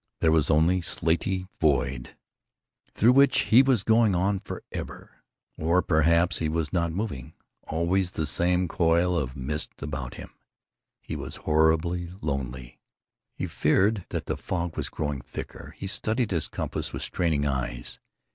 There was only slatey void, through which he was going on for ever. Or perhaps he was not moving. Always the same coil of mist about him. He was horribly lonely. He feared that the fog was growing thicker. He studied his compass with straining eyes.